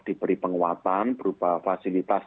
diberi penguatan berupa fasilitas